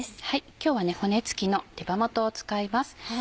今日は骨つきの手羽元を使います。